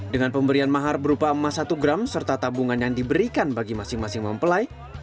dengan pemberian mahar berupa emas satu gram serta tabungan yang diberikan bagi masing masing mempelai